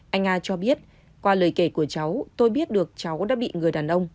anh a cho biết qua lời kể của cháu tôi biết được cháu đã bị người đàn ông